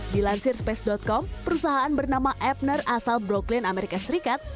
dilansir space com perusahaan bernama epner asal broklin amerika serikat